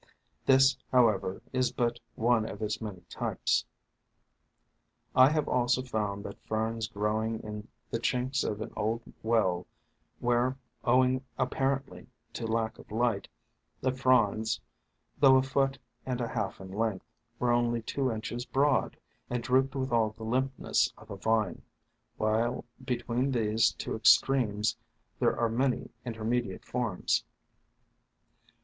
This, however, is but one of its many types ; I have also found these Ferns growing in the chinks of an old well where, ow ing apparently to lack of light, the fronds, though a foot and a half in length, were only two inches broad, and drooped with all the limpness of a vine, while between these « two extremes there are many intermediate forms.